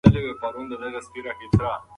د وریژو کرنه ډیرو اوبو او ګرمۍ ته اړتیا لري.